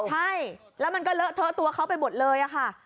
ใช่แล้วมันก็เลอะเทอะตัวเขาไปหมดเลยค่ะ